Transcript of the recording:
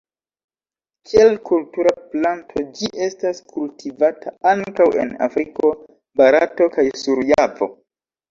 Kiel kultura planto ĝi estas kultivata ankaŭ en Afriko, Barato kaj sur Javo.